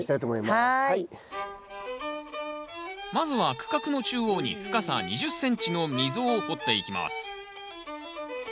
まずは区画の中央に深さ２０ｃｍの溝を掘っていきます